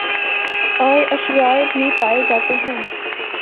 اور اشرار بھی پائے جاتے ہیں